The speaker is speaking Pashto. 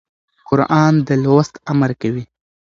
قرآن د لوست امر کوي.